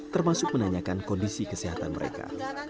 termasuk menanyakan kondisi kesehatan mereka